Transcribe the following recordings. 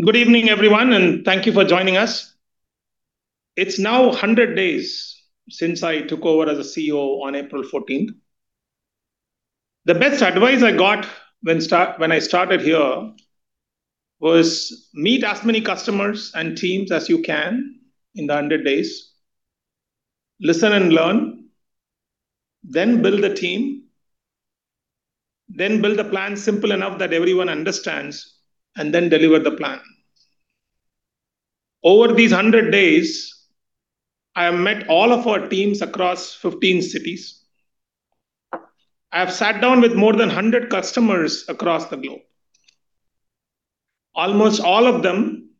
Good evening, everyone, thank you for joining us. It's now 100 days since I took over as a CEO on April 14th. The best advice I got when I started here was meet as many customers and teams as you can in the 100 days, listen and learn, build a team, build a plan simple enough that everyone understands, deliver the plan. Over these 100 days, I have met all of our teams across 15 cities. I have sat down with more than 100 customers across the globe. Almost all of them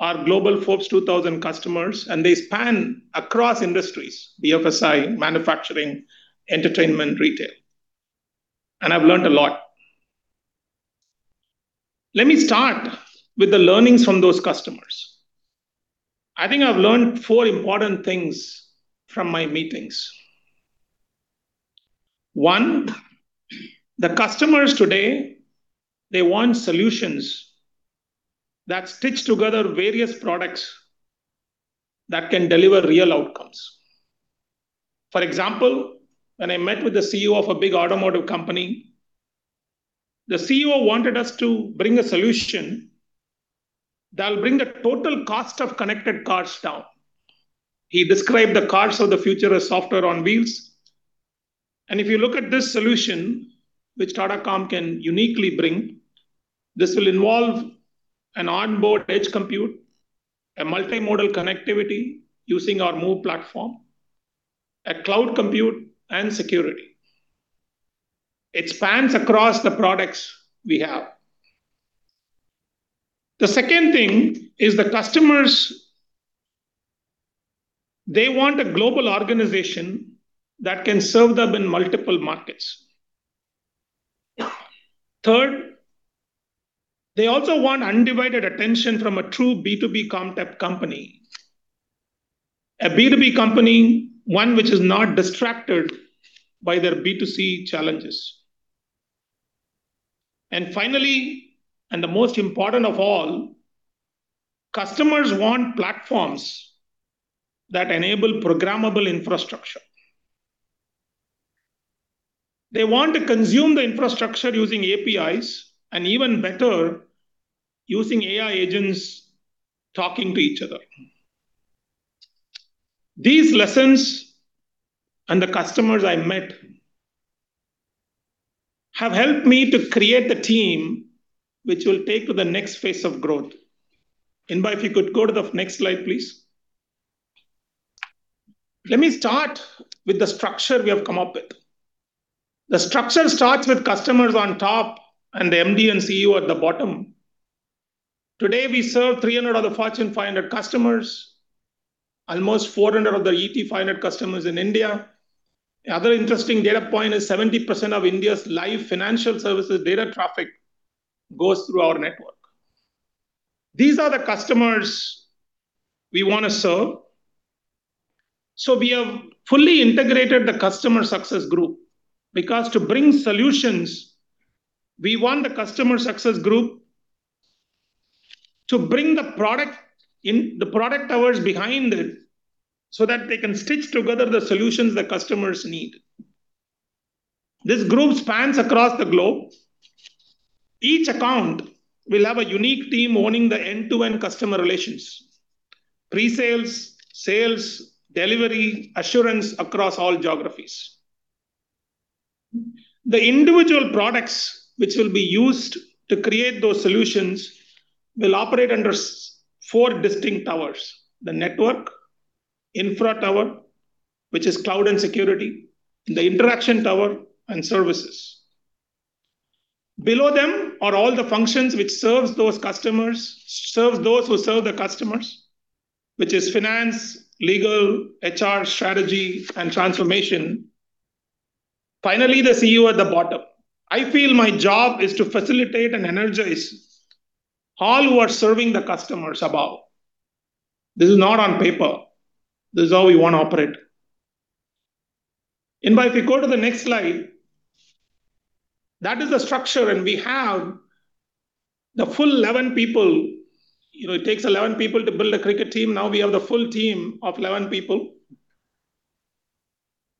are global Forbes 2000 customers, they span across industries, BFSI, manufacturing, entertainment, retail. I've learned a lot. Let me start with the learnings from those customers. I think I've learned four important things from my meetings. One, the customers today, they want solutions that stitch together various products that can deliver real outcomes. For example, when I met with the CEO of a big automotive company, the CEO wanted us to bring a solution that will bring the total cost of connected cars down. He described the cars of the future as software on wheels. If you look at this solution, which Tata Comm can uniquely bring, this will involve an onboard edge compute, a multimodal connectivity using our MOVE platform, a cloud compute, and security. It spans across the products we have. The second thing is the customers, they want a global organization that can serve them in multiple markets. Third, they also want undivided attention from a true B2B company, a B2B company, one which is not distracted by their B2C challenges. Finally, the most important of all, customers want platforms that enable programmable infrastructure. They want to consume the infrastructure using APIs, even better, using AI agents talking to each other. These lessons and the customers I met have helped me to create the team which will take to the next phase of growth. Inba, if you could go to the next slide, please. Let me start with the structure we have come up with. The structure starts with customers on top and the MD and CEO at the bottom. Today, we serve 300 of the Fortune 500 customers, almost 400 of the ET 500 customers in India. The other interesting data point is 70% of India's live financial services data traffic goes through our network. These are the customers we want to serve. We have fully integrated the customer success group. Because to bring solutions, we want the customer success group to bring the product towers behind it so that they can stitch together the solutions the customers need. This group spans across the globe. Each account will have a unique team owning the end-to-end customer relations, pre-sales, sales, delivery, assurance across all geographies. The individual products which will be used to create those solutions will operate under four distinct towers, the network, infra tower, which is cloud and security, the interaction tower, and services. Below them are all the functions which serves those who serve the customers, which is finance, legal, HR, strategy, and transformation. Finally, the CEO at the bottom. I feel my job is to facilitate and energize all who are serving the customers above. This is not on paper. This is how we want to operate. Inba, if you go to the next slide. That is the structure, we have the full 11 people. It takes 11 people to build a cricket team. Now we have the full team of 11 people.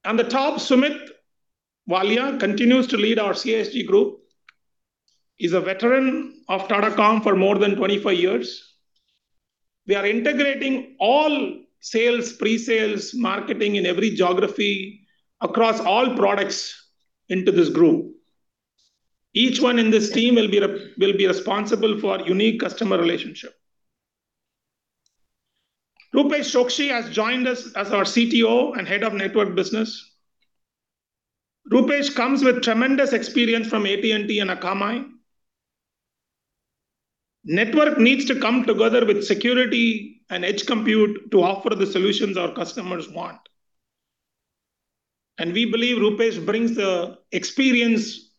On the top, Sumeet Walia continues to lead our CSG group. He's a veteran of Tata Communications for more than 25 years. We are integrating all sales, pre-sales, marketing in every geography across all products into this group. Each one in this team will be responsible for a unique customer relationship. Rupesh Chokshi has joined us as our CTO and head of network business. Rupesh comes with tremendous experience from AT&T and Akamai. Network needs to come together with security and edge compute to offer the solutions our customers want. We believe Rupesh brings the experience,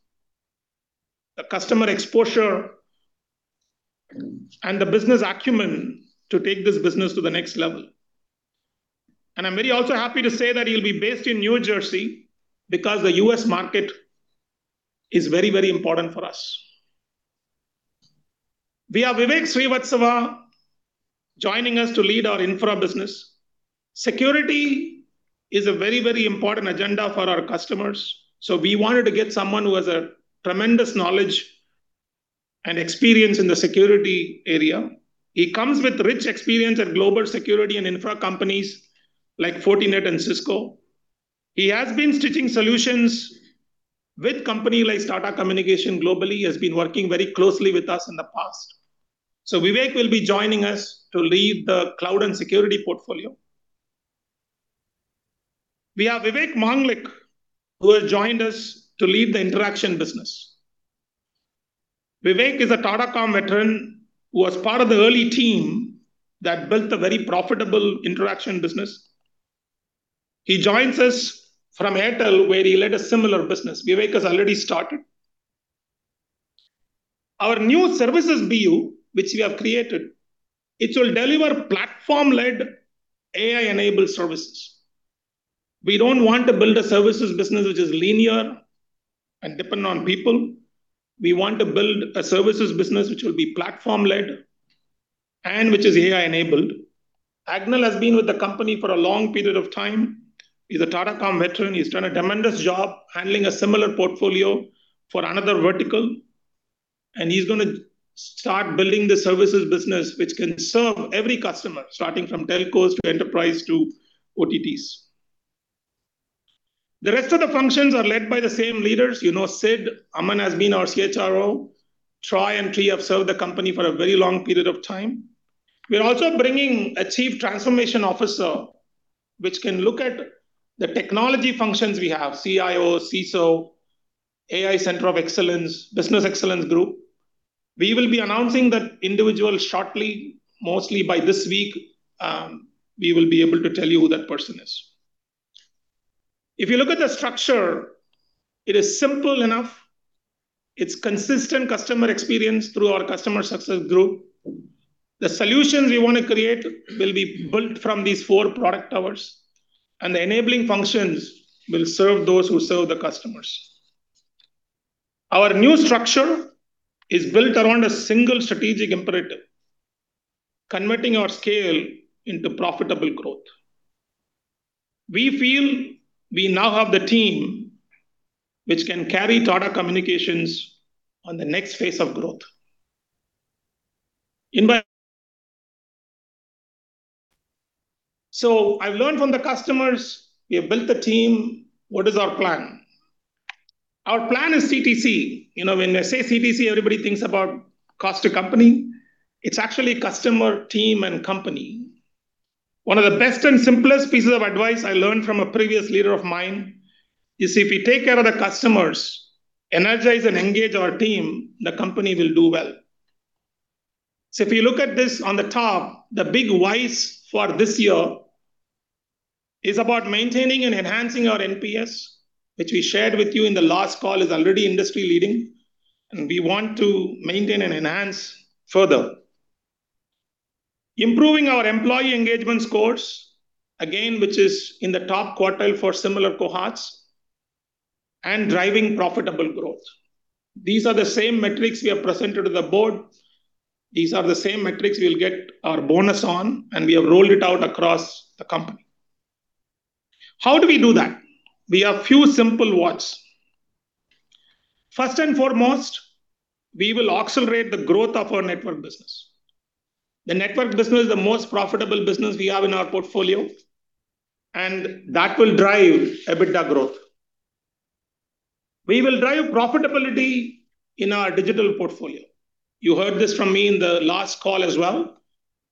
the customer exposure, and the business acumen to take this business to the next level. I'm very also happy to say that he'll be based in New Jersey because the U.S. market is very, very important for us. We have Vivek Srivastava joining us to lead our infra business. Security is a very, very important agenda for our customers. We wanted to get someone who has a tremendous knowledge and experience in the security area. He comes with rich experience at global security and infra companies like Fortinet and Cisco. He has been stitching solutions with company like Tata Communications globally. He has been working very closely with us in the past. Vivek will be joining us to lead the cloud and security portfolio. We have Vivek Manglik, who has joined us to lead the interaction business. Vivek is a Tata Communications veteran who was part of the early team that built a very profitable interaction business. He joins us from Airtel, where he led a similar business. Vivek has already started. Our new services BU, which we have created. It will deliver platform-led AI-enabled services. We don't want to build a services business which is linear and depend on people. We want to build a services business which will be platform-led and which is AI-enabled. Agnel has been with the company for a long period of time. He's a Tata Communications veteran. He's done a tremendous job handling a similar portfolio for another vertical, and he's going to start building the services business, which can serve every customer, starting from telcos to enterprise to OTTs. The rest of the functions are led by the same leaders. You know Sid. Aman has been our CHRO. Tri have served the company for a very long period of time. We are also bringing a chief transformation officer which can look at the technology functions we have, CIO, CISO, AI Center of Excellence, Business Excellence Group. We will be announcing that individual shortly. Mostly by this week, we will be able to tell you who that person is. If you look at the structure, it is simple enough. It's consistent customer experience through our customer success group. The solutions we want to create will be built from these four product towers, and the enabling functions will serve those who serve the customers. Our new structure is built around a single strategic imperative, converting our scale into profitable growth. We feel we now have the team which can carry Tata Communications on the next phase of growth. I've learned from the customers, we have built the team. What is our plan? Our plan is CTC. You know, when I say CTC, everybody thinks about cost to company. It's actually customer, team, and company. One of the best and simplest pieces of advice I learned from a previous leader of mine. You see, if we take care of the customers, energize, and engage our team, the company will do well. If you look at this on the top, the big whys for this year is about maintaining and enhancing our NPS, which we shared with you in the last call is already industry leading, and we want to maintain and enhance further. Improving our employee engagement scores, again, which is in the top quartile for similar cohorts, and driving profitable growth. These are the same metrics we have presented to the board. These are the same metrics we will get our bonus on, and we have rolled it out across the company. How do we do that? We have few simple whats. First and foremost, we will accelerate the growth of our network business. The network business is the most profitable business we have in our portfolio, and that will drive EBITDA growth. We will drive profitability in our digital portfolio. You heard this from me in the last call as well,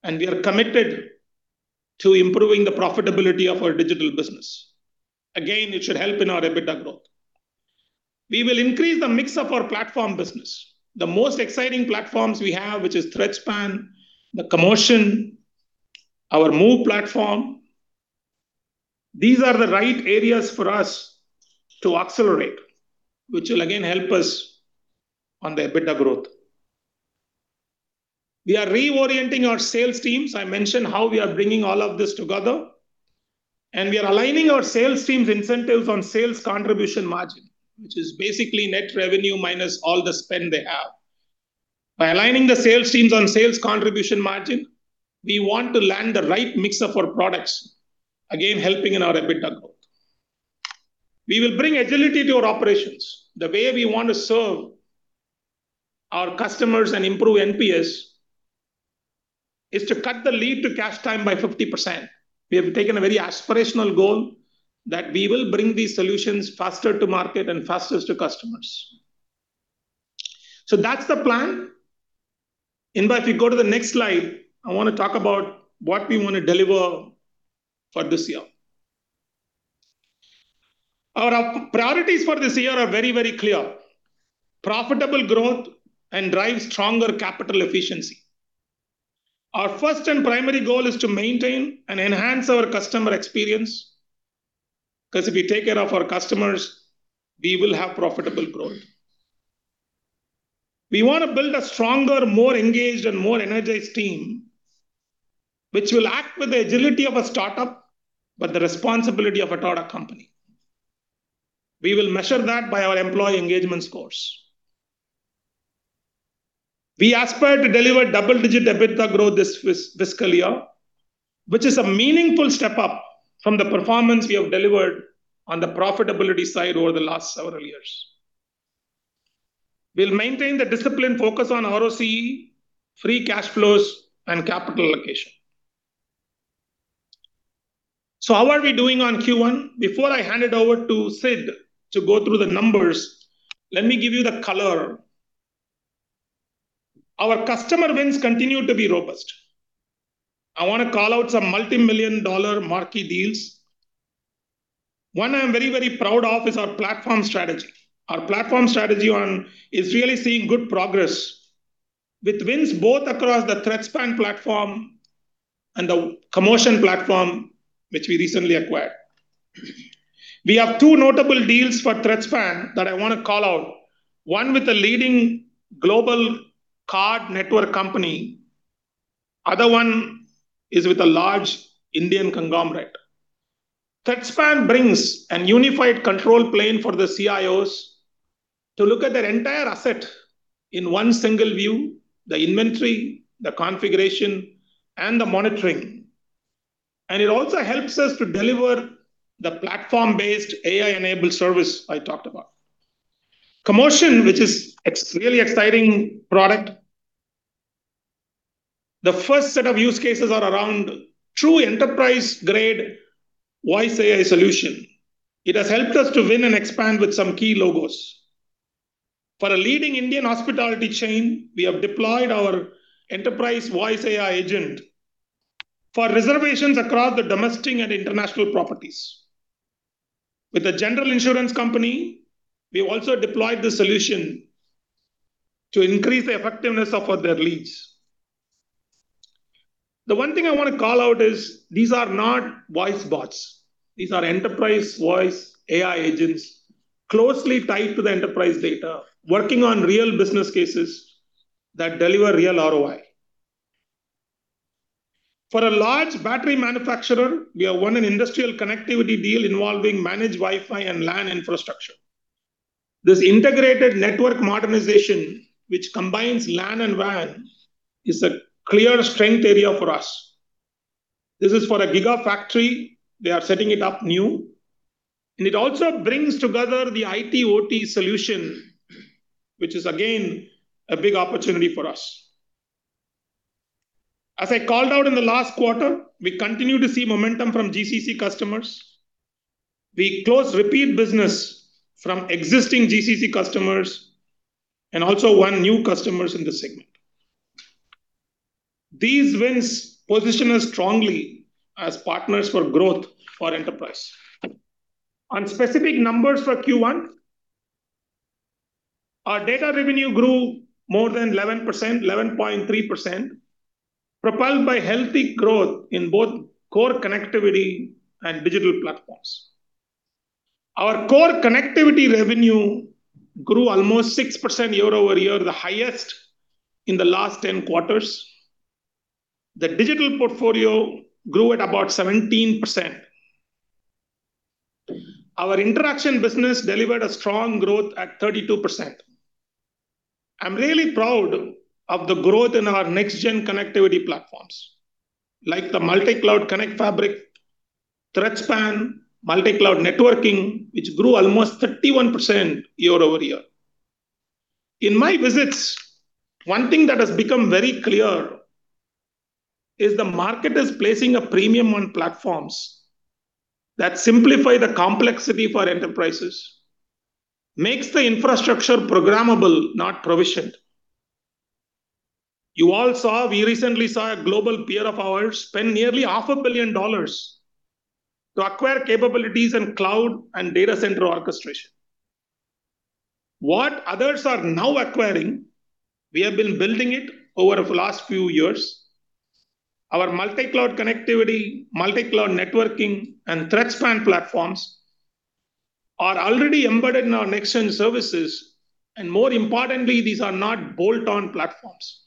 and we are committed to improving the profitability of our digital business. Again, it should help in our EBITDA growth. We will increase the mix of our platform business. The most exciting platforms we have, which is ThreadSpan, the Commotion, our MOVE platform. These are the right areas for us to accelerate, which will again help us on the EBITDA growth. We are reorienting our sales teams. I mentioned how we are bringing all of this together, and we are aligning our sales teams' incentives on sales contribution margin, which is basically net revenue minus all the spend they have. By aligning the sales teams on sales contribution margin, we want to land the right mix of our products, again, helping in our EBITDA growth. We will bring agility to our operations. The way we want to serve our customers and improve NPS is to cut the lead to cash time by 50%. We have taken a very aspirational goal that we will bring these solutions faster to market and faster to customers. That's the plan. Inba, if you go to the next slide, I want to talk about what we want to deliver for this year. Our priorities for this year are very, very clear. Profitable growth and drive stronger capital efficiency. Our first and primary goal is to maintain and enhance our customer experience. Because if we take care of our customers, we will have profitable growth. We want to build a stronger, more engaged, and more energized team, which will act with the agility of a startup, but the responsibility of a Tata company. We will measure that by our employee engagement scores. We aspire to deliver double-digit EBITDA growth this fiscal year, which is a meaningful step up from the performance we have delivered on the profitability side over the last several years. We'll maintain the discipline focus on ROCE, free cash flows, and capital allocation. How are we doing on Q1? Before I hand it over to Sid to go through the numbers, let me give you the color. Our customer wins continue to be robust. I want to call out some multi-million-dollar marquee deals. One I'm very, very proud of is our platform strategy. Our platform strategy is really seeing good progress with wins both across the ThreadSpan platform and the Commotion platform, which we recently acquired. We have two notable deals for ThreadSpan that I want to call out, one with a leading global card network company, other one is with a large Indian conglomerate. ThreadSpan brings an unified control plane for the CIOs to look at their entire asset in one single view, the inventory, the configuration, and the monitoring. It also helps us to deliver the platform-based AI-enabled service I talked about. Commotion, which is really exciting product. The first set of use cases are around true enterprise-grade voice AI solution. It has helped us to win and expand with some key logos. For a leading Indian hospitality chain, we have deployed our enterprise voice AI agent for reservations across the domestic and international properties. With a general insurance company, we also deployed the solution to increase the effectiveness of their leads. The one thing I want to call out is these are not voice bots. These are enterprise voice AI agents closely tied to the enterprise data, working on real business cases that deliver real ROI. For a large battery manufacturer, we have won an industrial connectivity deal involving managed Wi-Fi and LAN infrastructure. This integrated network modernization, which combines LAN and WAN, is a clear strength area for us. This is for a gigafactory. They are setting it up new. It also brings together the IT/OT solution, which is again, a big opportunity for us. As I called out in the last quarter, we continue to see momentum from GCC customers. We closed repeat business from existing GCC customers and also won new customers in this segment. These wins position us strongly as partners for growth for enterprise. On specific numbers for Q1, our data revenue grew more than 11%, 11.3%, propelled by healthy growth in both core connectivity and digital platforms. Our core connectivity revenue grew almost 6% year-over-year, the highest in the last 10 quarters. The digital portfolio grew at about 17%. Our interaction business delivered a strong growth at 32%. I'm really proud of the growth in our next-gen connectivity platforms, like the Multi Cloud Connect Fabric, ThreadSpan, Multi-Cloud Networking, which grew almost 31% year-over-year. In my visits, one thing that has become very clear is the market is placing a premium on platforms that simplify the complexity for enterprises, makes the infrastructure programmable, not provisioned. You all saw, we recently saw a global peer of ours spend nearly half a billion dollars to acquire capabilities in cloud and data center orchestration. What others are now acquiring, we have been building it over the last few years. Our multi-cloud connectivity, Multi-Cloud Networking, and ThreadSpan platforms are already embedded in our next-gen services. More importantly, these are not bolt-on platforms.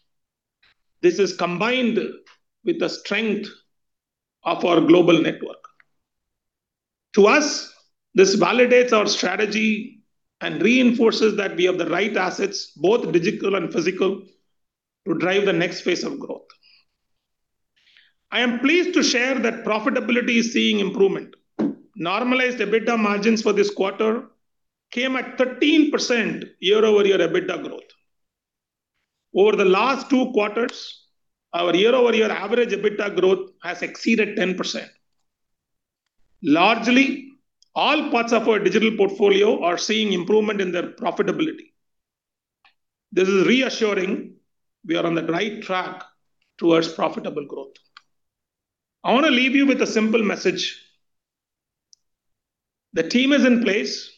This is combined with the strength of our global network. To us, this validates our strategy and reinforces that we have the right assets, both digital and physical, to drive the next phase of growth. I am pleased to share that profitability is seeing improvement. Normalized EBITDA margins for this quarter came at 13% year-over-year EBITDA growth. Over the last two quarters, our year-over-year average EBITDA growth has exceeded 10%. Largely, all parts of our digital portfolio are seeing improvement in their profitability. This is reassuring we are on the right track towards profitable growth. I want to leave you with a simple message. The team is in place.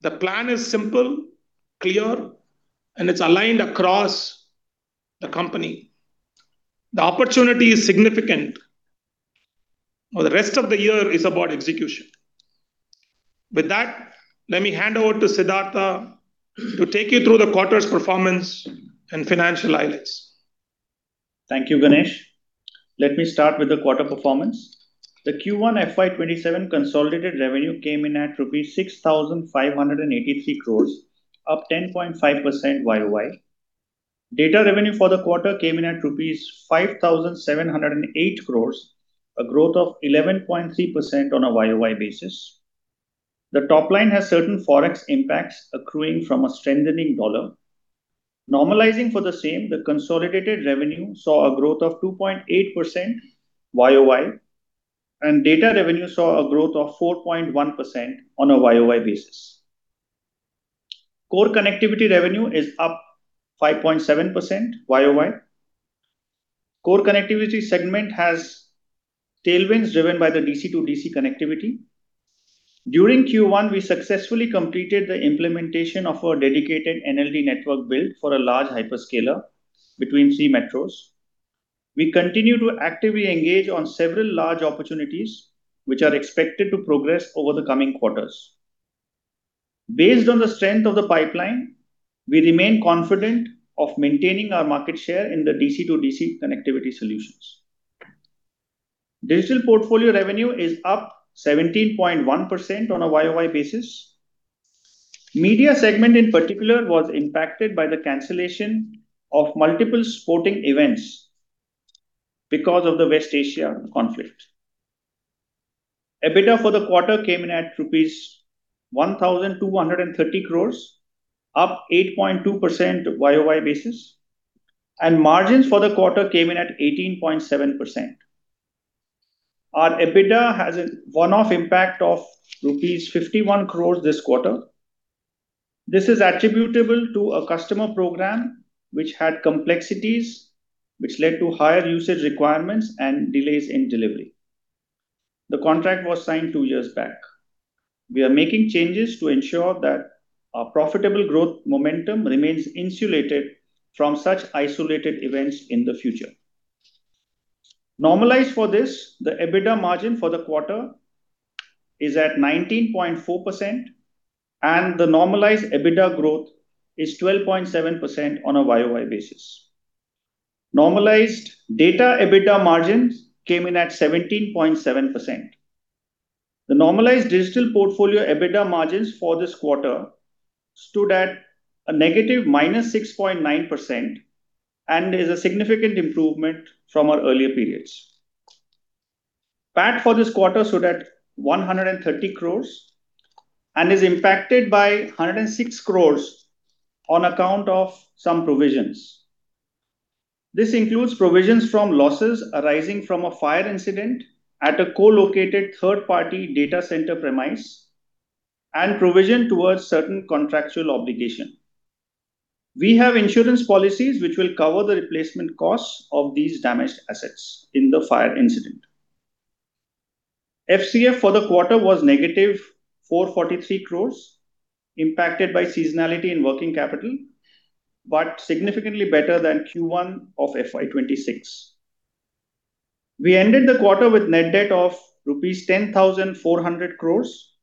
The plan is simple, clear, and it's aligned across the company. The opportunity is significant. Now the rest of the year is about execution. With that, let me hand over to Siddhartha to take you through the quarter's performance and financial highlights. Thank you, Ganesh. Let me start with the quarter performance. The Q1 FY 2027 consolidated revenue came in at rupees 6,583 crores, up 10.5% YoY. Data revenue for the quarter came in at rupees 5,708 crores, a growth of 11.3% on a YoY basis. The top line has certain Forex impacts accruing from a strengthening dollar. Normalizing for the same, the consolidated revenue saw a growth of 2.8% YoY, and data revenue saw a growth of 4.1% on a YoY basis. Core connectivity revenue is up 5.7% YoY. Core connectivity segment has tailwinds driven by the DC-to-DC connectivity. During Q1, we successfully completed the implementation of our dedicated NLD network build for a large hyperscaler between Category C metros. We continue to actively engage on several large opportunities, which are expected to progress over the coming quarters. Based on the strength of the pipeline, we remain confident of maintaining our market share in the DC-to- DC connectivity solutions. Digital portfolio revenue is up 17.1% on a YoY basis. Media segment, in particular, was impacted by the cancellation of multiple sporting events because of the West Asia conflict. EBITDA for the quarter came in at INR 1,230 crores, up 8.2% YoY basis, and margins for the quarter came in at 18.7%. Our EBITDA has a one-off impact of rupees 51 crores this quarter. This is attributable to a customer program which had complexities which led to higher usage requirements and delays in delivery. The contract was signed two years back. We are making changes to ensure that our profitable growth momentum remains insulated from such isolated events in the future. Normalized for this, the EBITDA margin for the quarter is at 19.4% and the normalized EBITDA growth is 12.7% on a YoY basis. Normalized data EBITDA margins came in at 17.7%. The normalized digital portfolio EBITDA margins for this quarter stood at a -6.9% and is a significant improvement from our earlier periods. PAT for this quarter stood at 130 crores and is impacted by 106 crores on account of some provisions. This includes provisions from losses arising from a fire incident at a co-located third-party data center premise and provision towards certain contractual obligation. We have insurance policies which will cover the replacement costs of these damaged assets in the fire incident. FCF for the quarter was negative 443 crores, impacted by seasonality in working capital, but significantly better than Q1 of FY 2026. We ended the quarter with net debt of rupees 10,400 crores.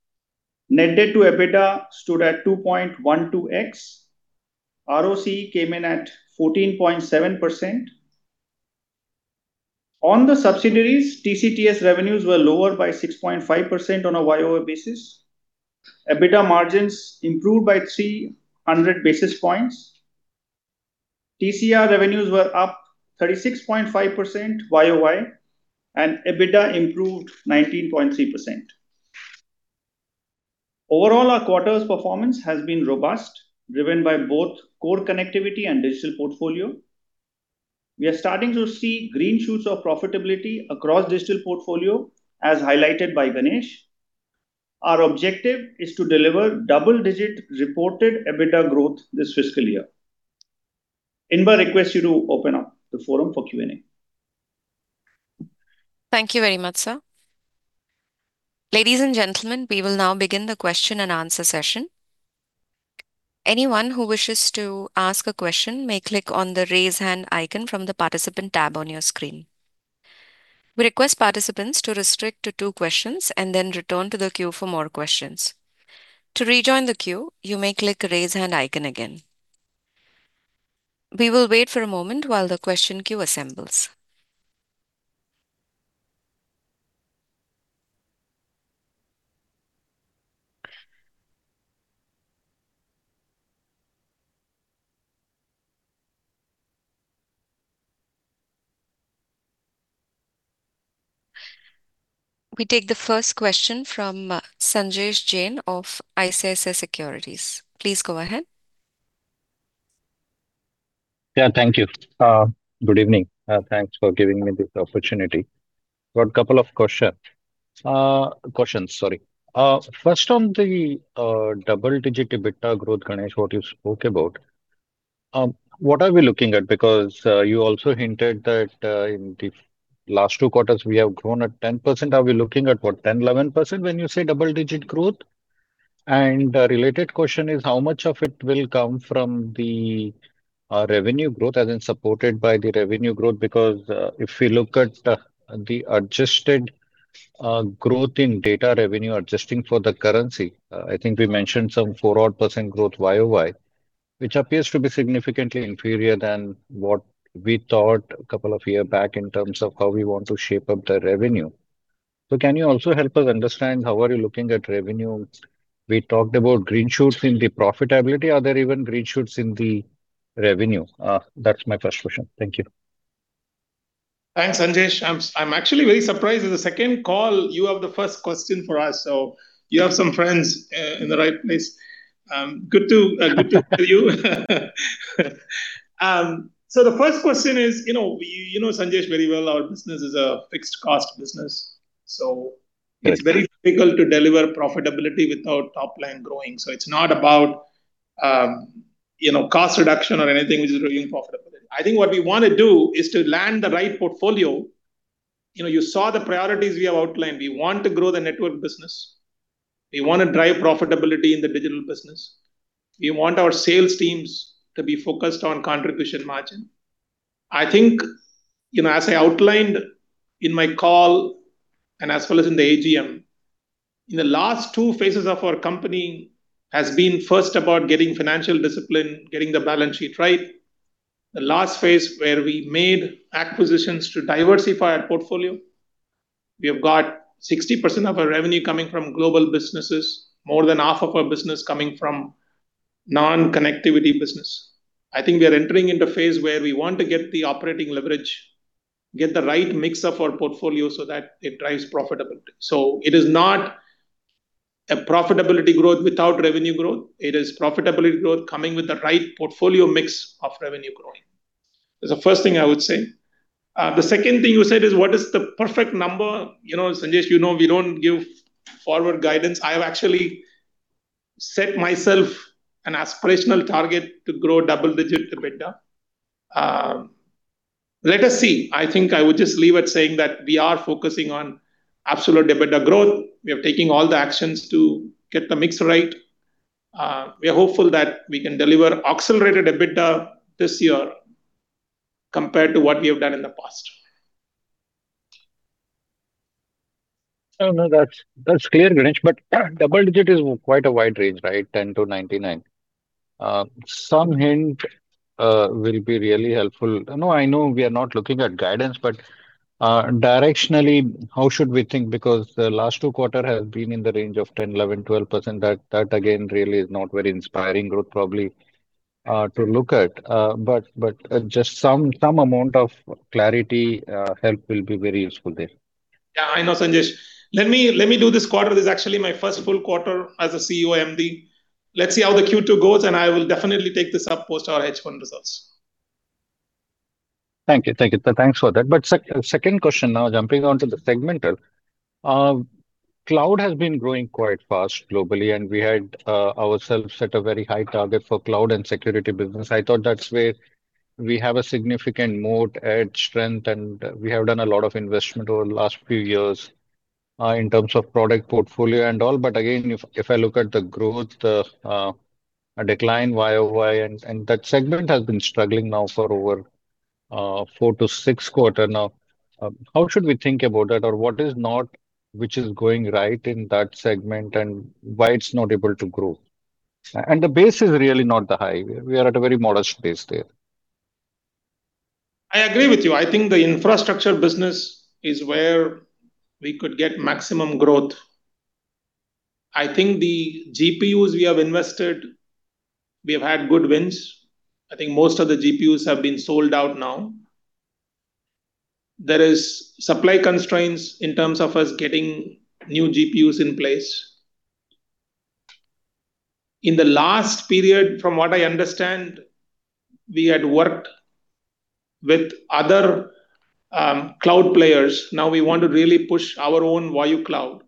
Net debt to EBITDA stood at 2.12x. ROCE came in at 14.7%. On the subsidiaries, TCTS revenues were lower by 6.5% on a the YoY basis. EBITDA margins improved by 300 basis points. TCR revenues were up 36.5% YoY, and EBITDA improved 19.3%. Overall, our quarter's performance has been robust, driven by both core connectivity and digital portfolio. We are starting to see green shoots of profitability across digital portfolio, as highlighted by Ganesh. Our objective is to deliver double-digit reported EBITDA growth this fiscal year. Inba, request you to open up the forum for Q&A. Thank you very much, sir. Ladies and gentlemen, we will now begin the question and answer session. Anyone who wishes to ask a question may click on the raise hand icon from the participant tab on your screen. We request participants to restrict to two questions and then return to the queue for more questions. To rejoin the queue, you may click raise hand icon again. We will wait for a moment while the question queue assembles. We take the first question from Sanjesh Jain of ICICI Securities. Please go ahead. Yeah, thank you. Good evening. Thanks for giving me this opportunity. Got a couple of questions, sorry. First, on the double-digit EBITDA growth, Ganesh, what you spoke about. What are we looking at? Because you also hinted that in the last two quarters, we have grown at 10%. Are we looking at, what, 10%, 11% when you say double-digit growth? A related question is, how much of it will come from the revenue growth as in supported by the revenue growth? Because if we look at the adjusted growth in data revenue, adjusting for the currency, I think we mentioned some 4-odd% growth YoY, which appears to be significantly inferior than what we thought a couple of year back in terms of how we want to shape up the revenue. Can you also help us understand how are you looking at revenue? We talked about green shoots in the profitability. Are there even green shoots in the revenue? That's my first question. Thank you. Thanks, Sanjesh. I'm actually very surprised. In the second call, you have the first question for us, so you have some friends in the right place. Good to hear you. The first question is, you know, Sanjesh, very well our business is a fixed cost business. Right. It's very difficult to deliver profitability without top line growing. It's not about cost reduction or anything which is really profitability. I think what we want to do is to land the right portfolio. You saw the priorities we have outlined. We want to grow the network business. We want to drive profitability in the digital business. We want our sales teams to be focused on contribution margin. I think, as I outlined in my call and as well as in the AGM, in the last two phases of our company has been first about getting financial discipline, getting the balance sheet right. The last phase where we made acquisitions to diversify our portfolio. We have got 60% of our revenue coming from global businesses, more than half of our business coming from non-connectivity business. I think we are entering into a phase where we want to get the operating leverage, get the right mix of our portfolio so that it drives profitability. It is not a profitability growth without revenue growth. It is profitability growth coming with the right portfolio mix of revenue growing. That's the first thing I would say. The second thing you said is what is the perfect number? Sanjesh, you know we don't give forward guidance. I have actually set myself an aspirational target to grow double digit EBITDA. Let us see. I think I would just leave at saying that we are focusing on absolute EBITDA growth. We are taking all the actions to get the mix right. We are hopeful that we can deliver accelerated EBITDA this year compared to what we have done in the past. Oh, no, that's clear, Ganesh. Double digit is quite a wide range, right? 10-99. Some hint will be really helpful. I know we are not looking at guidance, but directionally, how should we think? Because the last two quarter has been in the range of 10%, 11%, 12%. That again really is not very inspiring growth probably to look at. Just some amount of clarity help will be very useful there. Yeah, I know, Sanjesh. Let me do this quarter. This is actually my first full quarter as a CEO MD. Let's see how the Q2 goes. I will definitely take this up post our H1 results. Thank you. Thanks for that. Second question now, jumping onto the segmental. Cloud has been growing quite fast globally. We had ourselves set a very high target for cloud and security business. I thought that's where we have a significant moat, edge, strength. We have done a lot of investment over the last few years in terms of product portfolio and all. Again, if I look at the growth, the decline year-over-year, that segment has been struggling now for over four to six quarter now. How should we think about that or what is not, which is going right in that segment and why it's not able to grow? The base is really not that high. We are at a very modest base there. I agree with you. I think the infrastructure business is where we could get maximum growth. I think the GPUs we have invested, we have had good wins. I think most of the GPUs have been sold out now. There is supply constraints in terms of us getting new GPUs in place. In the last period, from what I understand, we had worked with other cloud players. Now we want to really push our own IZO Cloud.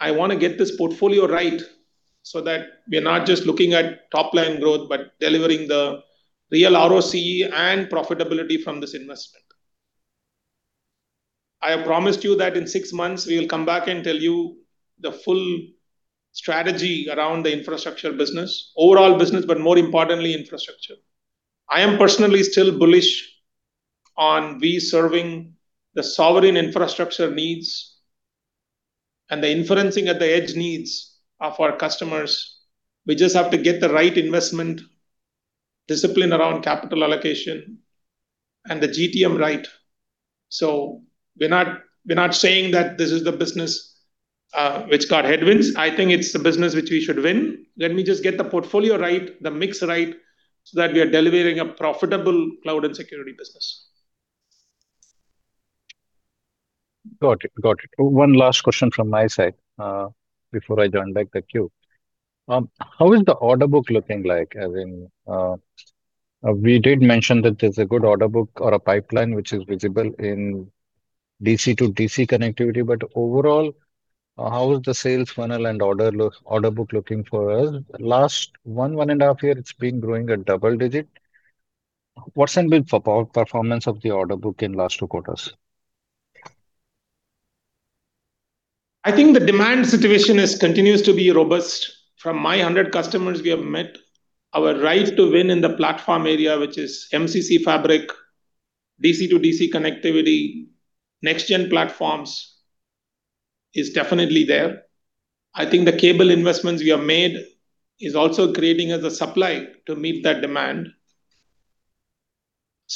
I want to get this portfolio right so that we are not just looking at top line growth, but delivering the real ROCE and profitability from this investment. I have promised you that in six months, we will come back and tell you the full strategy around the infrastructure business. Overall business, but more importantly, infrastructure. I am personally still bullish on we serving the sovereign infrastructure needs and the inferencing at the edge needs of our customers. We just have to get the right investment discipline around capital allocation and the GTM right. We are not saying that this is the business which got headwinds. I think it's the business which we should win. Let me just get the portfolio right, the mix right, so that we are delivering a profitable cloud and security business. Got it. One last question from my side before I turn back the queue. How is the order book looking like? As in, we did mention that there's a good order book or a pipeline which is visible in DC-to-DC connectivity, but overall, how is the sales funnel and order book looking for us? Last one and a half year, it's been growing at double digit. What's been the performance of the order book in last two quarters? I think the demand situation continues to be robust. From my 100 customers we have met, our right to win in the platform area, which is MCC fabric, DC-to-DC connectivity, next-gen platforms, is definitely there. I think the cable investments we have made is also creating us a supply to meet that demand.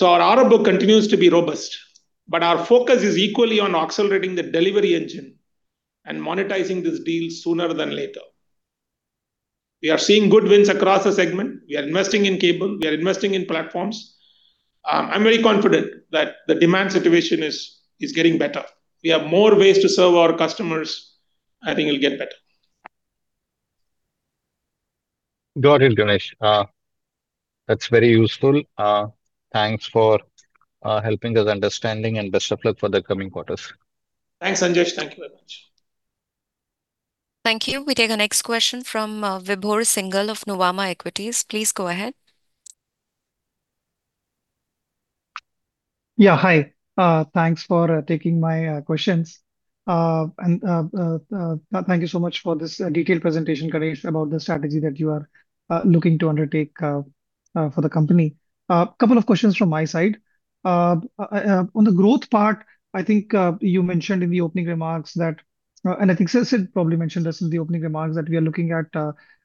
Our order book continues to be robust, but our focus is equally on accelerating the delivery engine and monetizing this deal sooner than later. We are seeing good wins across the segment. We are investing in cable, we are investing in platforms. I'm very confident that the demand situation is getting better. We have more ways to serve our customers. I think it'll get better. Got it, Ganesh. That's very useful. Thanks for helping us understanding and best of luck for the coming quarters. Thanks, Sanjesh. Thank you very much. Thank you. We take our next question from Vibhor Singhal of Nuvama Equities. Please go ahead. Yeah, hi. Thanks for taking my questions. Thank you so much for this detailed presentation, Ganesh, about the strategy that you are looking to undertake for the company. A couple of questions from my side. On the growth part, I think you mentioned in the opening remarks that I think Siddhartha probably mentioned this in the opening remarks that we are looking at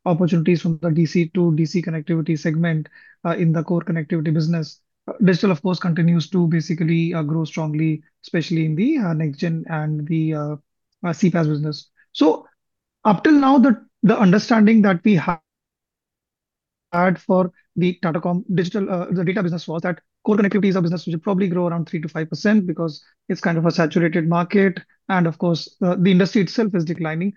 opportunities from the DC-to-DC connectivity segment in the core connectivity business. Digital, of course, continues to basically grow strongly, especially in the next-gen and the CPaaS business. Up till now, the understanding that we have had for the Tata Com Digital, the data business was that core connectivity is a business which will probably grow around 3%-5% because it's kind of a saturated market. Of course, the industry itself is declining,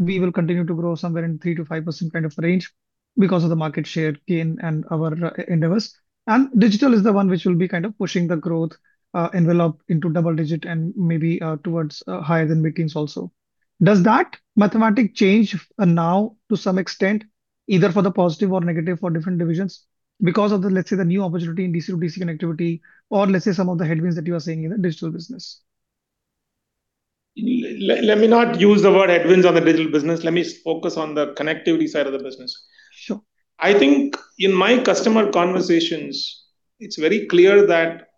we will continue to grow somewhere in 3%-5% kind of range because of the market share gain and our endeavors. Digital is the one which will be kind of pushing the growth envelope into double-digit and maybe towards higher than mid-teens also. Does that mathematic change now to some extent, either for the positive or negative for different divisions because of the, let's say, the new opportunity in DC-to-DC connectivity or let's say some of the headwinds that you are seeing in the digital business? Let me not use the word headwinds on the digital business. Let me focus on the connectivity side of the business. Sure. I think in my customer conversations, it is very clear that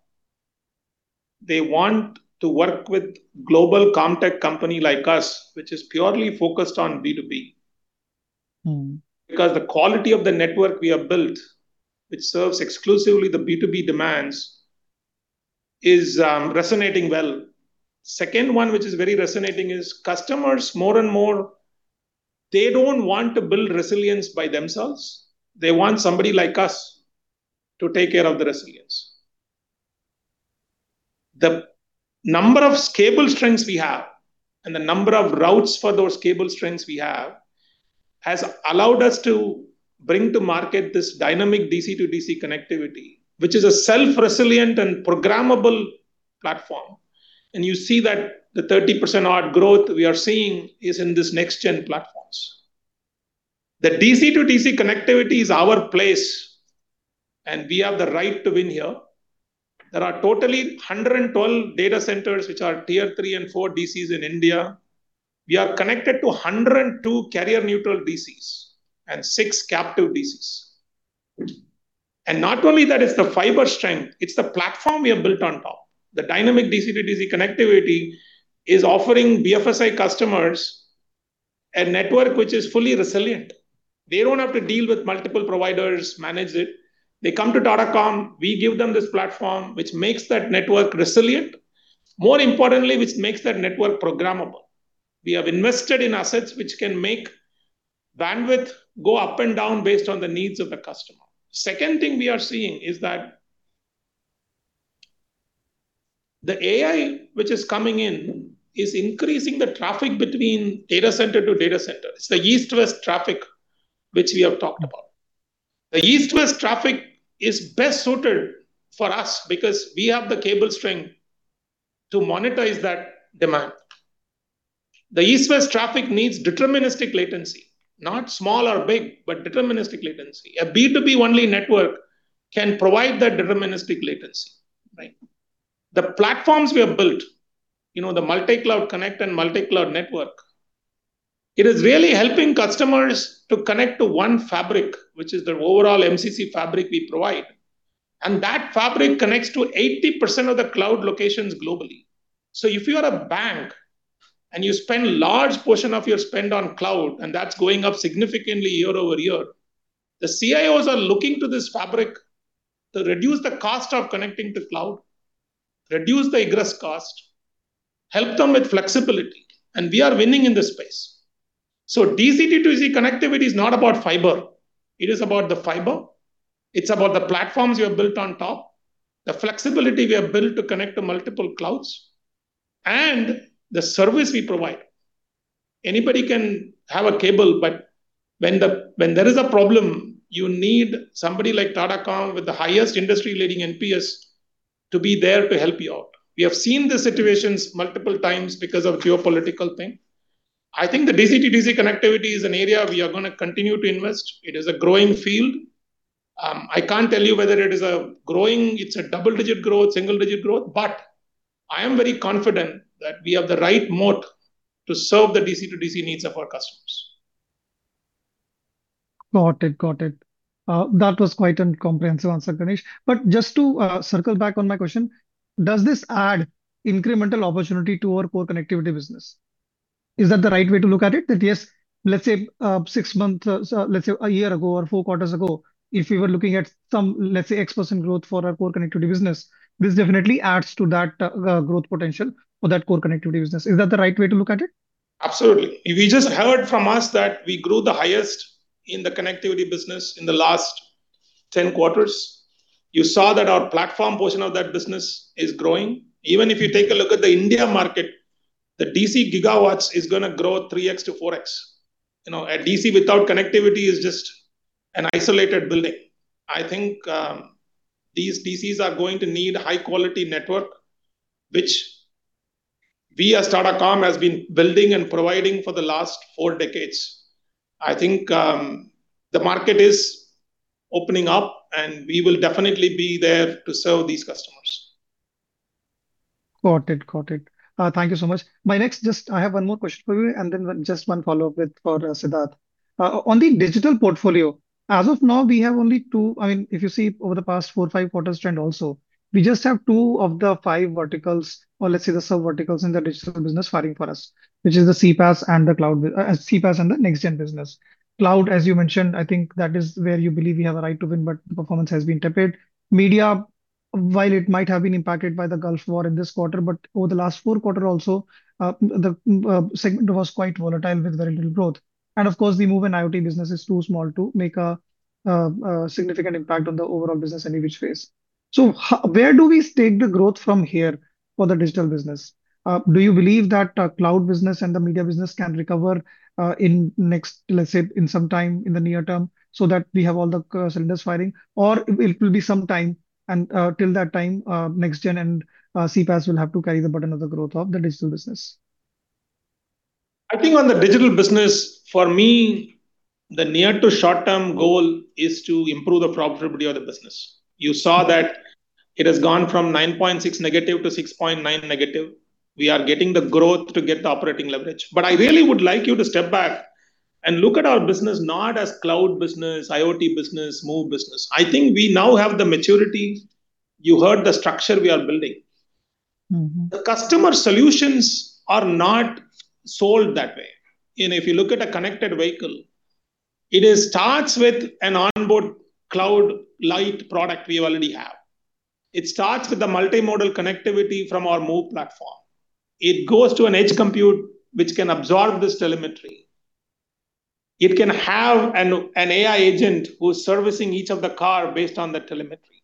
they want to work with global comtech company like us, which is purely focused on B2B. The quality of the network we have built, which serves exclusively the B2B demands, is resonating well. Second one, which is very resonating is customers more and more, they don't want to build resilience by themselves. They want somebody like us to take care of the resilience. The number of cable strengths we have and the number of routes for those cable strengths we have, has allowed us to bring to market this dynamic DC-to-DC connectivity, which is a self-resilient and programmable platform. You see that the 30% odd growth we are seeing is in this next-gen platforms. The DC-to-DC connectivity is our place, and we have the right to win here. There are totally 112 data centers, which are tier 3 and 4 DCs in India. We are connected to 102 carrier-neutral DCs and six captive DCs. Not only that it's the fiber strength, it's the platform we have built on top. The dynamic DC-to-DC connectivity is offering BFSI customers a network which is fully resilient. They don't have to deal with multiple providers, manage it. They come to Tata Com. We give them this platform, which makes that network resilient. More importantly, which makes that network programmable. We have invested in assets which can make bandwidth go up and down based on the needs of the customer. Second thing we are seeing is that the AI which is coming in is increasing the traffic between data center to data center. It's the east-west traffic which we have talked about. The east-west traffic is best suited for us because we have the cable strength to monetize that demand. The east-west traffic needs deterministic latency. Not small or big, but deterministic latency. A B2B-only network can provide that deterministic latency, right? The platforms we have built, the Multi-Cloud Connect and multi-cloud network, it is really helping customers to connect to one fabric, which is the overall MCC fabric we provide. That fabric connects to 80% of the cloud locations globally. If you are a bank and you spend large portion of your spend on cloud, that's going up significantly year-over-year. The CIOs are looking to this fabric to reduce the cost of connecting to cloud, reduce the egress cost, help them with flexibility, we are winning in this space. DC-to-DC connectivity is not about fiber. It is about the fiber. It's about the platforms we have built on top, the flexibility we have built to connect to multiple clouds, and the service we provide. Anybody can have a cable, when there is a problem, you need somebody like Tata com with the highest industry-leading NPS to be there to help you out. We have seen the situations multiple times because of geopolitical thing. I think the DC-to-DC connectivity is an area we are going to continue to invest. It is a growing field. I cannot tell you whether it is a double-digit growth, single-digit growth, but I am very confident that we have the right moat to serve the DC-to-DC needs of our customers. Got it. That was quite a comprehensive answer, Ganesh. Just to circle back on my question, does this add incremental opportunity to our core connectivity business? Is that the right way to look at it? That, let us say, six months, or let us say a year ago or four quarters ago, if we were looking at some, let us say, X% growth for our core connectivity business, this definitely adds to that growth potential for that core connectivity business. Is that the right way to look at it? Absolutely. You just heard from us that we grew the highest in the connectivity business in the last 10 quarters. You saw that our platform portion of that business is growing. Even if you take a look at the India market, the DC gigawatts is going to grow 3x to 4x. A DC without connectivity is just an isolated building. I think these DCs are going to need high quality network, which we at Tata Com has been building and providing for the last four decades. I think the market is opening up, and we will definitely be there to serve these customers. Got it. Thank you so much. I have one more question for you, and then just one follow-up for Siddhartha. On the digital portfolio, as of now, we have only two. If you see over the past four, five quarter trend also, we just have two of the five verticals, or let us say the sub-verticals in the digital business fighting for us, which is the CPaaS and the next-gen business. Cloud, as you mentioned, I think that is where you believe we have a right to win, the performance has been tepid. Media, while it might have been impacted by the Gulf War in this quarter, over the last four quarter also, the segment was quite volatile with very little growth. Of course, the MOVE and IoT business is too small to make a significant impact on the overall business any which phase. Where do we stake the growth from here for the digital business? Do you believe that cloud business and the media business can recover, let's say, in some time in the near term, so that we have all the cylinders firing? Or it will be some time, and till that time, next-gen and CPaaS will have to carry the burden of the growth of the digital business. I think on the digital business, for me, the near to short-term goal is to improve the profitability of the business. You saw that it has gone from 9.6 negative to 6.9 negative. We are getting the growth to get the operating leverage. I really would like you to step back and look at our business not as cloud business, IoT business, MOVE business. I think we now have the maturity. You heard the structure we are building. The customer solutions are not sold that way. If you look at a connected vehicle, it starts with an onboard cloud-lite product we already have. It starts with the multimodal connectivity from our MOVE platform. It goes to an edge compute, which can absorb this telemetry. It can have an AI agent who's servicing each of the car based on the telemetry.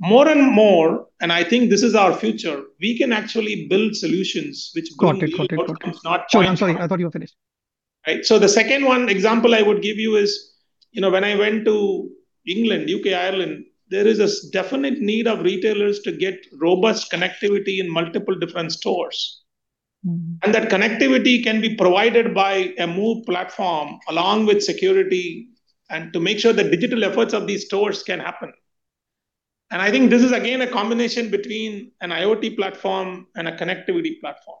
More and more, and I think this is our future, we can actually build solutions which go beyond what comes. Got it. Sorry. I thought you were finished. Right. The second one example I would give you is, when I went to England, U.K., Ireland, there is a definite need of retailers to get robust connectivity in multiple different stores. That connectivity can be provided by a MOVE platform along with security and to make sure the digital efforts of these stores can happen. I think this is again, a combination between an IoT platform and a connectivity platform.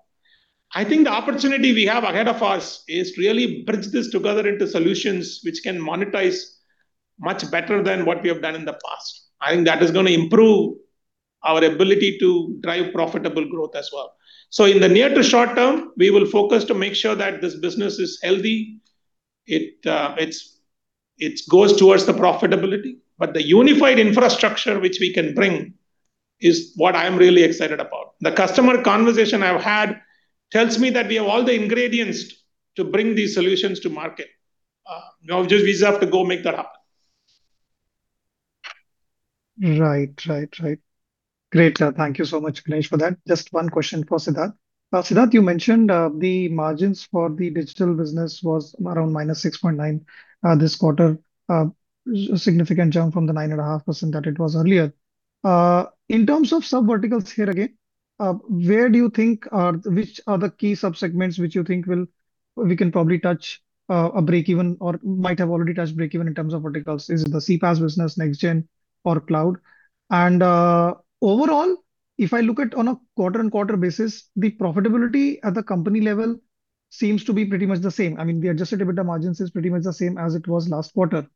I think the opportunity we have ahead of us is to really bridge this together into solutions which can monetize much better than what we have done in the past. I think that is going to improve our ability to drive profitable growth as well. In the near to short term, we will focus to make sure that this business is healthy, it goes towards the profitability, but the unified infrastructure which we can bring is what I am really excited about. The customer conversation I have had tells me that we have all the ingredients to bring these solutions to market. Now we just have to go make that happen. Right. Great. Thank you so much, Ganesh, for that. Just one question for Siddhartha. Siddhartha, you mentioned the margins for the digital business was around -6.9% this quarter. A significant jump from the 9.5% that it was earlier. In terms of sub-verticals here again, which are the key sub-segments which you think we can probably touch a breakeven or might have already touched breakeven in terms of verticals? Is it the CPaaS business, next-gen, or cloud? Overall, if I look at on a quarter-on-quarter basis, the profitability at the company level seems to be pretty much the same. The adjusted EBITDA margins is pretty much the same as it was last quarter,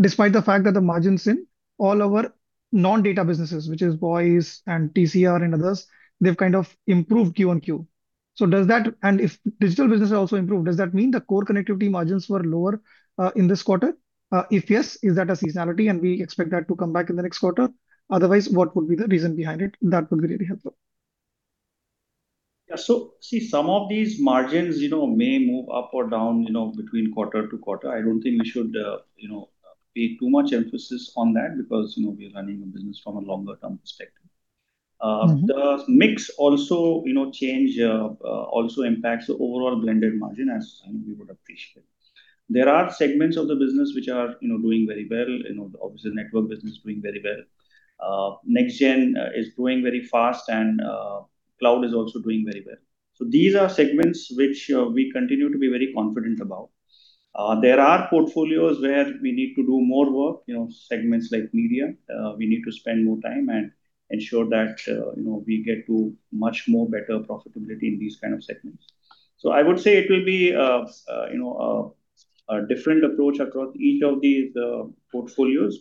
despite the fact that the margins in all our non-data businesses, which is Voice and TCR and others, they have kind of improved Q-on-Q. If digital business has also improved, does that mean the core connectivity margins were lower in this quarter? If yes, is that a seasonality and we expect that to come back in the next quarter? Otherwise, what would be the reason behind it? That would be really helpful. See, some of these margins may move up or down between quarter-to-quarter. I don't think we should pay too much emphasis on that because we're running a business from a longer term perspective. The mix also change, also impacts the overall blended margin, as we would appreciate. There are segments of the business which are doing very well. Obviously, network business is doing very well. next-gen is growing very fast, cloud is also doing very well. These are segments which we continue to be very confident about. There are portfolios where we need to do more work, segments like media. We need to spend more time and ensure that we get to much more better profitability in these kind of segments. I would say it will be a different approach across each of these portfolios.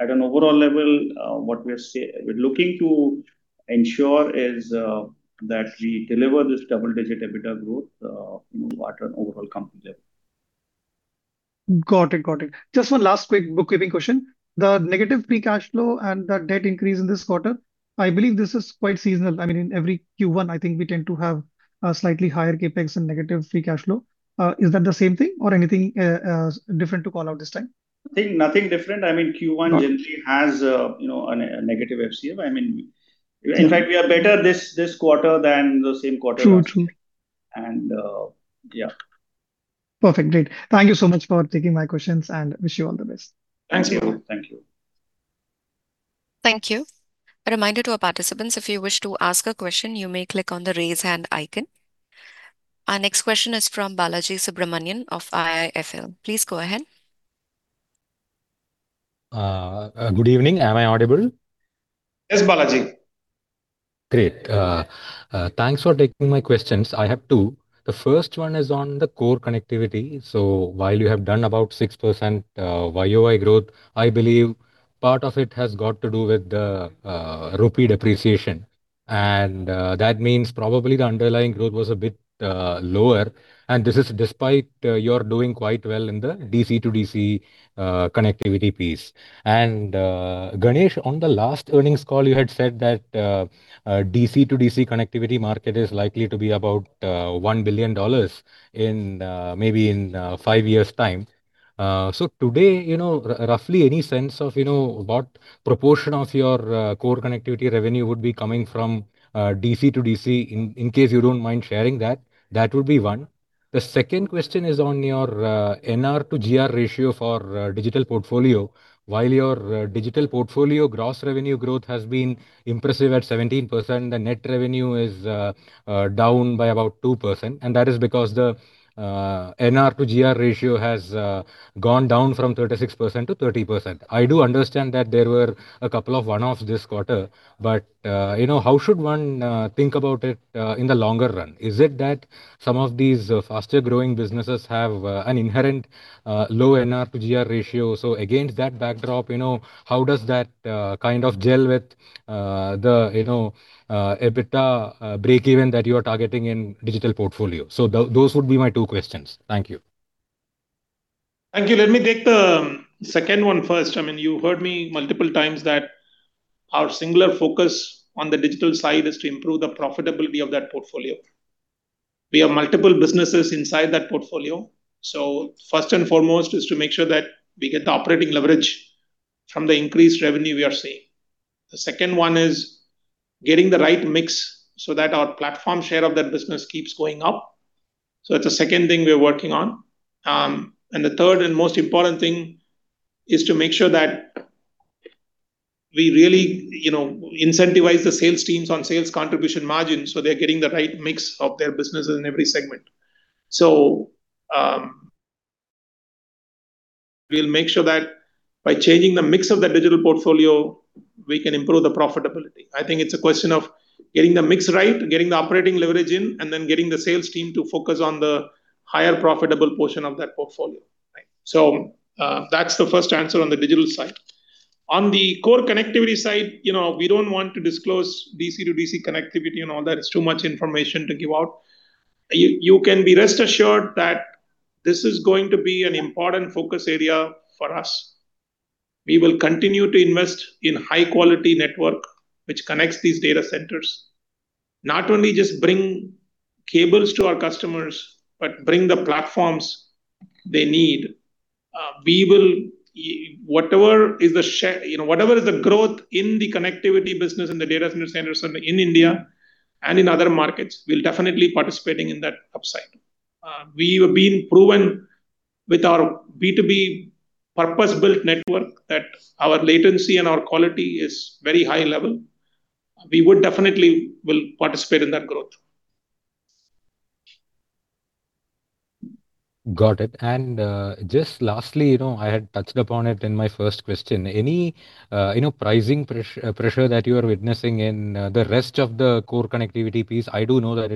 At an overall level, what we're looking to ensure is that we deliver this double-digit EBITDA growth at an overall company level. Got it. Just one last quick bookkeeping question. The negative free cash flow and the debt increase in this quarter, I believe this is quite seasonal. In every Q1, I think we tend to have a slightly higher CapEx and negative free cash flow. Is that the same thing or anything different to call out this time? I think nothing different. Q1 generally has a negative FCF. In fact, we are better this quarter than the same quarter last year. True. Yeah. Perfect. Great. Thank you so much for taking my questions, wish you all the best. Thank you. Thank you. Thank you. A reminder to our participants, if you wish to ask a question, you may click on the Raise Hand icon. Our next question is from Balaji Subramanian of IIFL. Please go ahead. Good evening. Am I audible? Yes, Balaji. Great. Thanks for taking my questions. I have two. The first one is on the core connectivity. While you have done about 6% YoY growth, I believe part of it has got to do with the rupee depreciation. That means probably the underlying growth was a bit lower, and this is despite you are doing quite well in the DC-to-DC connectivity piece. Ganesh, on the last earnings call, you had said that DC-to-DC connectivity market is likely to be about $1 billion maybe in five years' time. Today, roughly any sense of what proportion of your core connectivity revenue would be coming from DC-to-DC, in case you don't mind sharing that? That would be one. The second question is on your NR-to-GR ratio for digital portfolio. While your digital portfolio gross revenue growth has been impressive at 17%, the net revenue is down by about 2%, and that is because the NR-to-GR ratio has gone down from 36%-30%. I do understand that there were a couple of one-offs this quarter, how should one think about it in the longer run? Is it that some of these faster growing businesses have an inherent low NR-to-GR ratio? Against that backdrop, how does that gel with the EBITDA break even that you are targeting in digital portfolio? Those would be my two questions. Thank you. Thank you. Let me take the second one first. You heard me multiple times that our singular focus on the digital side is to improve the profitability of that portfolio. We have multiple businesses inside that portfolio. First and foremost is to make sure that we get the operating leverage from the increased revenue we are seeing. The second one is getting the right mix so that our platform share of that business keeps going up. That's the second thing we are working on. The third and most important thing is to make sure that we really incentivize the sales teams on sales contribution margins, so they're getting the right mix of their businesses in every segment. We'll make sure that by changing the mix of the digital portfolio, we can improve the profitability. I think it's a question of getting the mix right, getting the operating leverage in, and then getting the sales team to focus on the higher profitable portion of that portfolio. That's the first answer on the digital side. On the core connectivity side, we don't want to disclose DC-to-DC connectivity and all that. It's too much information to give out. You can be rest assured that this is going to be an important focus area for us. We will continue to invest in high quality network which connects these data centers. Not only just bring cables to our customers, but bring the platforms they need. Whatever is the growth in the connectivity business in the data centers in India and in other markets, we're definitely participating in that upside. We have been proven with our B2B purpose-built network that our latency and our quality is very high level. We would definitely will participate in that growth. Got it. Just lastly, I had touched upon it in my first question. Any pricing pressure that you are witnessing in the rest of the core connectivity piece? I do know that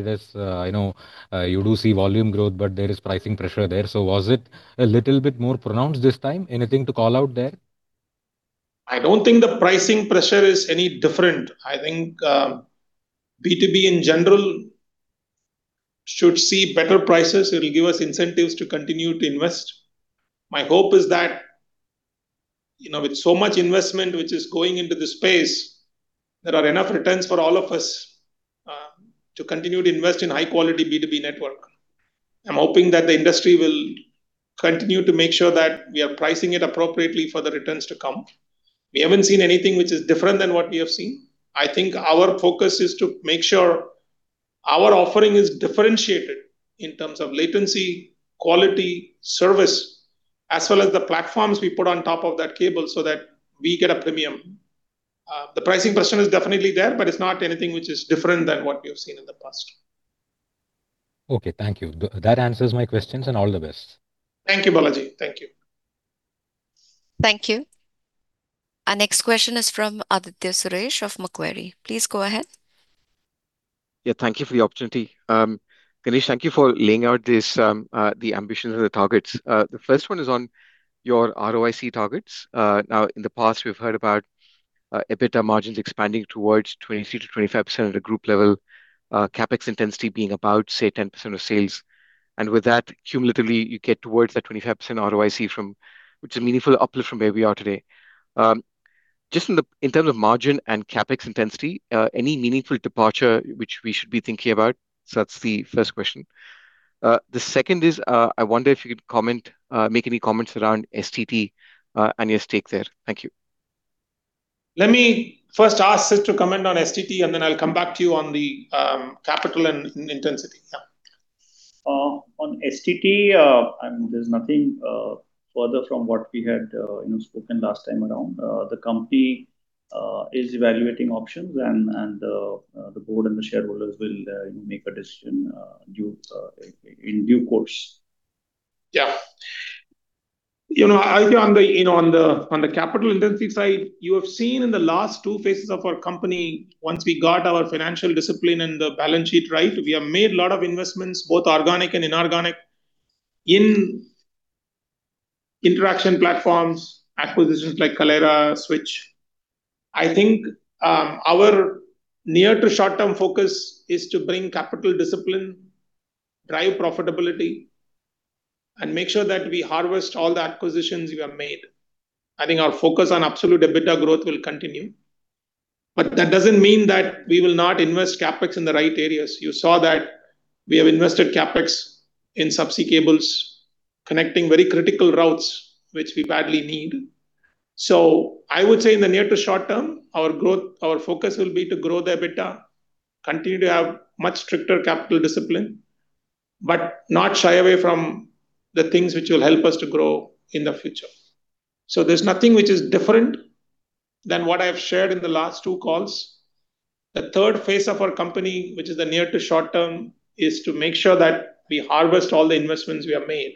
you do see volume growth, but there is pricing pressure there. Was it a little bit more pronounced this time? Anything to call out there? I don't think the pricing pressure is any different. I think B2B in general should see better prices. It'll give us incentives to continue to invest. My hope is that with so much investment which is going into the space, there are enough returns for all of us to continue to invest in high quality B2B network. I'm hoping that the industry will continue to make sure that we are pricing it appropriately for the returns to come. We haven't seen anything which is different than what we have seen. I think our focus is to make sure Our offering is differentiated in terms of latency, quality, service, as well as the platforms we put on top of that cable so that we get a premium. The pricing question is definitely there, but it's not anything which is different than what we have seen in the past. Thank you. That answers my questions, all the best. Thank you, Balaji. Thank you. Thank you. Our next question is from Aditya Suresh of Macquarie. Please go ahead. Thank you for the opportunity. Ganesh, thank you for laying out the ambitions of the targets. The first one is on your ROIC targets. In the past, we've heard about EBITDA margins expanding towards 23%-25% at a group level, CapEx intensity being about, say, 10% of sales. With that, cumulatively you get towards that 25% ROIC, which is a meaningful uplift from where we are today. Just in terms of margin and CapEx intensity, any meaningful departure which we should be thinking about? That's the first question. The second is, I wonder if you could make any comments around STT and your stake there. Thank you. Let me first ask Sid to comment on STT, and then I'll come back to you on the capital and intensity. On STT, there's nothing further from what we had spoken last time around. The company is evaluating options, and the board and the shareholders will make a decision in due course. On the capital intensity side, you have seen in the last two phases of our company, once we got our financial discipline and the balance sheet right, we have made a lot of investments, both organic and inorganic, in interaction platforms, acquisitions like Kaleyra, Switch. I think our near to short-term focus is to bring capital discipline, drive profitability, and make sure that we harvest all the acquisitions we have made. I think our focus on absolute EBITDA growth will continue. That doesn't mean that we will not invest CapEx in the right areas. You saw that we have invested CapEx in subsea cables connecting very critical routes, which we badly need. I would say in the near to short term, our focus will be to grow the EBITDA, continue to have much stricter capital discipline, not shy away from the things which will help us to grow in the future. There's nothing which is different than what I have shared in the last two calls. The third phase of our company, which is the near to short term, is to make sure that we harvest all the investments we have made.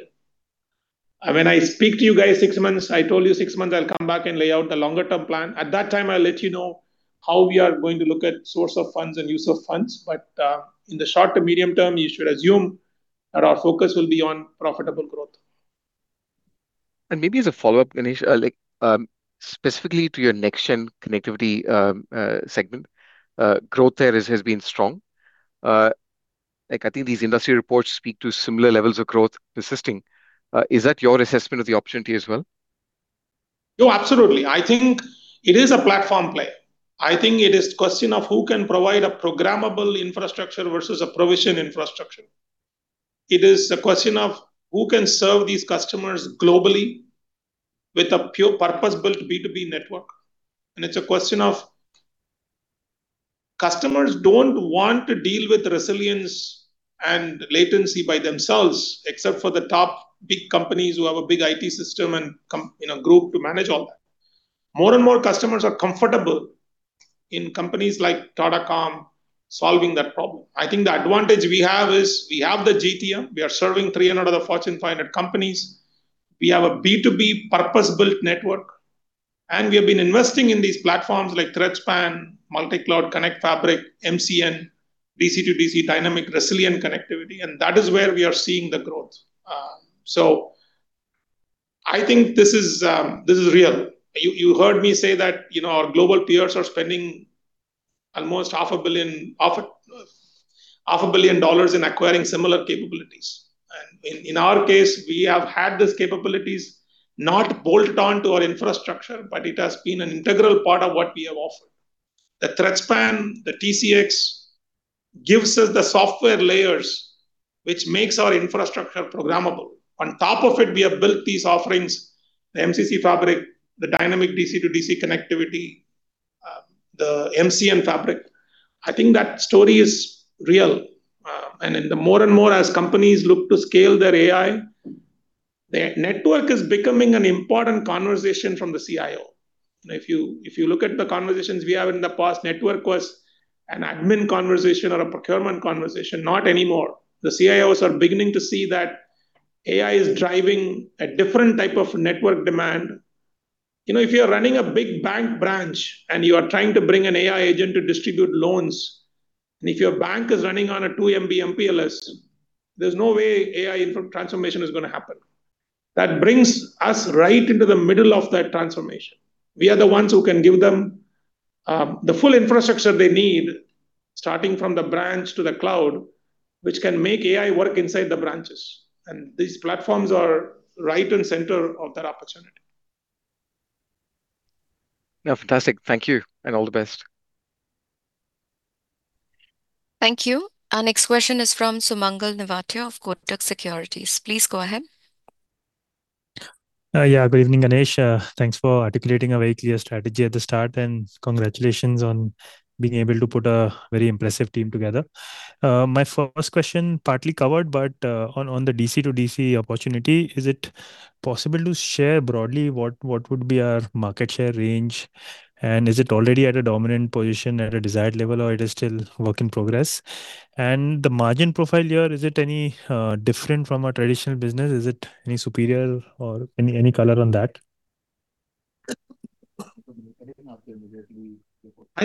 When I speak to you guys six months, I told you six months I'll come back and lay out the longer term plan. At that time, I'll let you know how we are going to look at source of funds and use of funds. In the short to medium term, you should assume that our focus will be on profitable growth. Maybe as a follow-up, Ganesh, specifically to your next-gen connectivity segment. Growth there has been strong. I think these industry reports speak to similar levels of growth persisting. Is that your assessment of the opportunity as well? No, absolutely. I think it is question of who can provide a programmable infrastructure versus a provision infrastructure. It is a question of who can serve these customers globally with a pure purpose-built B2B network. It's a question of customers don't want to deal with resilience and latency by themselves, except for the top big companies who have a big IT system and group to manage all that. More and more customers are comfortable in companies like Tata Comm solving that problem. I think the advantage we have is we have the GTM. We are serving 300 of the Fortune 500 companies. We have a B2B purpose-built network, we have been investing in these platforms like ThreadSpan, Multi Cloud Connect, MCN, DC-to-DC dynamic resilient connectivity, and that is where we are seeing the growth. I think this is real. You heard me say that our global peers are spending almost half a billion dollars in acquiring similar capabilities. In our case, we have had these capabilities, not bolted onto our infrastructure, but it has been an integral part of what we have offered. The ThreadSpan, the TCx, gives us the software layers, which makes our infrastructure programmable. On top of it, we have built these offerings, the MCC Fabric, the dynamic DC-to-DC connectivity, the MCN Fabric. I think that story is real. The more and more as companies look to scale their AI, their network is becoming an important conversation from the CIO. If you look at the conversations we have in the past, network was an admin conversation or a procurement conversation. Not anymore. The CIOs are beginning to see that AI is driving a different type of network demand. If you're running a big bank branch and you are trying to bring an AI agent to distribute loans, and if your bank is running on a 2 MB MPLS, there's no way AI transformation is going to happen. That brings us right into the middle of that transformation. We are the ones who can give them the full infrastructure they need, starting from the branch to the cloud, which can make AI work inside the branches. These platforms are right in center of that opportunity. No, fantastic. Thank you, and all the best. Thank you. Our next question is from Sumangal Nevatia of Kotak Securities. Please go ahead. Yeah. Good evening, Ganesh. Thanks for articulating a very clear strategy at the start, and congratulations on being able to put a very impressive team together. My first question, partly covered, but on the DC-to-DC opportunity, is it possible to share broadly what would be our market share range, and is it already at a dominant position at a desired level, or it is still work in progress? The margin profile here, is it any different from our traditional business? Is it any superior or any color on that? I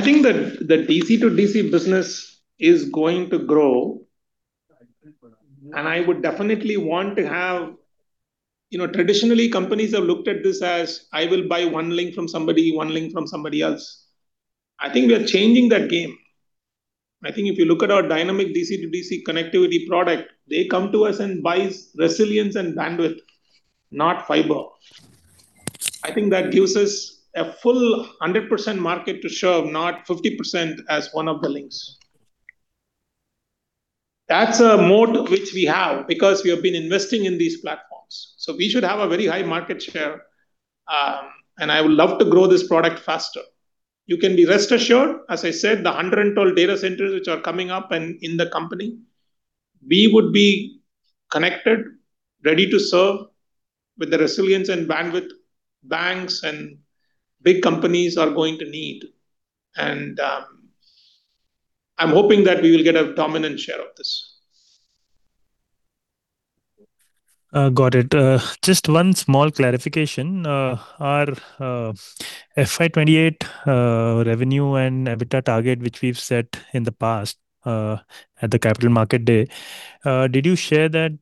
think the DC-to-DC business is going to grow, and I would definitely want to have Traditionally, companies have looked at this as, I will buy one link from somebody, one link from somebody else. I think we are changing that game. I think if you look at our dynamic DC-to-DC connectivity product, they come to us and buy resilience and bandwidth, not fiber. I think that gives us a full 100% market to show, not 50% as one of the links. That's a mode which we have because we have been investing in these platforms. We should have a very high market share, and I would love to grow this product faster. You can be rest assured, as I said, the 112 data centers which are coming up and in the company, we would be connected, ready to serve with the resilience and bandwidth banks and big companies are going to need. I'm hoping that we will get a dominant share of this. Got it. Just one small clarification. Our FY 2028 revenue and EBITDA target, which we've set in the past, at the Capital Market Day, did you share that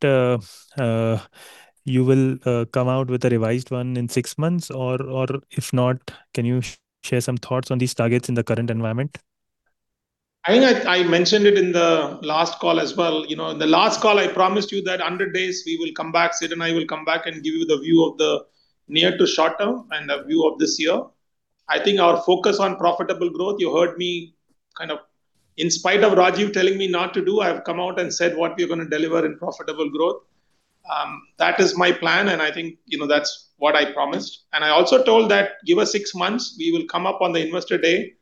you will come out with a revised one in six months? If not, can you share some thoughts on these targets in the current environment? I think I mentioned it in the last call as well. In the last call, I promised you that 100 days we will come back, Sid and I will come back and give you the view of the near to short term and the view of this year. I think our focus on profitable growth, you heard me kind of In spite of Rajiv telling me not to do, I've come out and said what we're going to deliver in profitable growth. That is my plan, and I think that's what I promised. I also told that give us six months, we will come up on the Investor Day,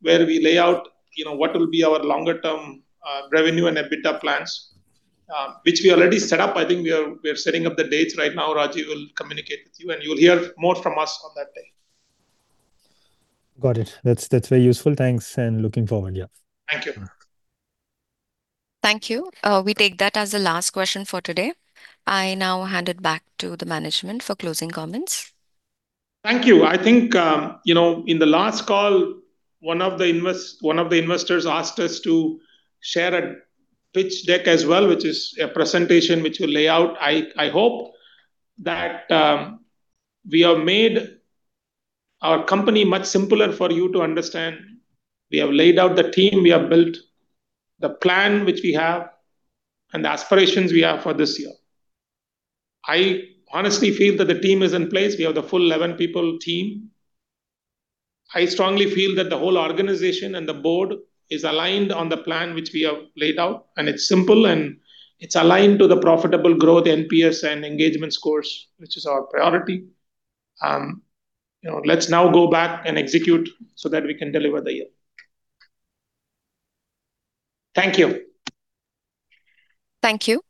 where we lay out what will be our longer-term revenue and EBITDA plans which we already set up. I think we are setting up the dates right now. Rajiv will communicate with you'll hear more from us on that day. Got it. That's very useful. Thanks, and looking forward. Yeah. Thank you. Thank you. We take that as the last question for today. I now hand it back to the management for closing comments. Thank you. I think, in the last call, one of the investors asked us to share a pitch deck as well, which is a presentation which will lay out. I hope that we have made our company much simpler for you to understand. We have laid out the team we have built, the plan which we have, and the aspirations we have for this year. I honestly feel that the team is in place. We have the full 11 people team. I strongly feel that the whole organization and the board is aligned on the plan which we have laid out, and it's simple, and it's aligned to the profitable growth, NPS, and engagement scores, which is our priority. Let's now go back and execute so that we can deliver the yield. Thank you. Thank you.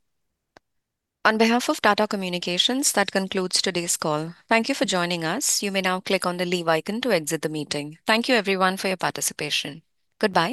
On behalf of Tata Communications, that concludes today's call. Thank you for joining us. You may now click on the leave icon to exit the meeting. Thank you everyone for your participation. Goodbye